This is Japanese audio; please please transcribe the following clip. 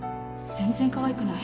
全然かわいくない。